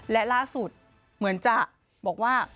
และล่าสุดเหมือนจะบอกว่า